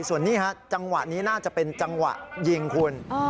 ส่วนนี้ฮะจังหวะนี้น่าจะเป็นจังหวะยิงคุณ